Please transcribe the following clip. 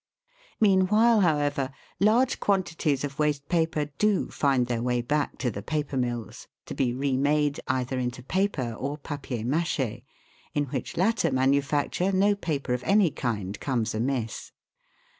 Meanwhile, however, large quantities of waste paper do 284 THE WORLD'S LUMBER ROOM. find their way back to the paper mills, to be re made either into paper or papier mdc/te, in which latter manu facture no paper of any kind comes amiss.